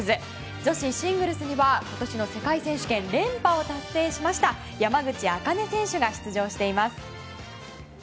女子シングルスには今年の世界選手権連覇を達成しました山口茜選手が出場しています。